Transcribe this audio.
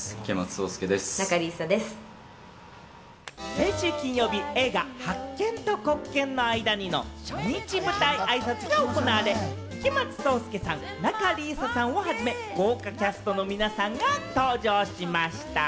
先週金曜日、映画『白鍵と黒鍵の間に』の初日舞台あいさつが行われ、池松壮亮さん、仲里依紗さんをはじめ、豪華キャストの皆さんが登場しました。